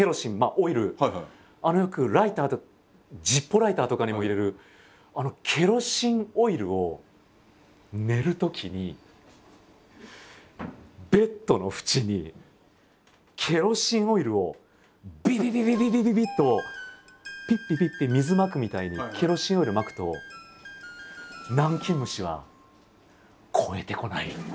よくライターとかジッポーライターとかにも入れるあのケロシンオイルを寝るときにベッドの縁にケロシンオイルをビビビビビビビビっとピッピピッピ水まくみたいにケロシンオイルまくと南京虫は越えてこない。